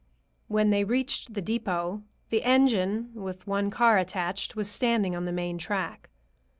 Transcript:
When they reached the depot, the engine, with one car attached, was standing on the main track.